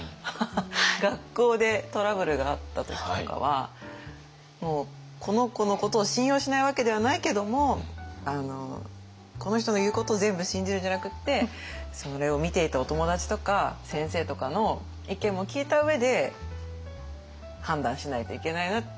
学校でトラブルがあった時とかはもうこの子のことを信用しないわけではないけどもこの人の言うことを全部信じるんじゃなくってそれを見ていたお友達とか先生とかの意見も聞いた上で判断しないといけないなっていう。